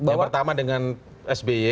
yang pertama dengan sby